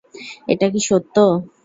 এটা কি সত্য?